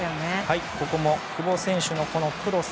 ここも久保選手のクロス。